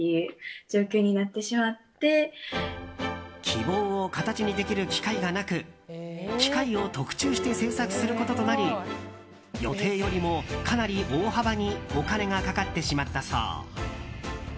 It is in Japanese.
希望を形にできる機械がなく機械を特注して製作することとなり予定よりも、かなり大幅にお金がかかってしまったそう。